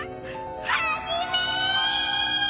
ハジメ！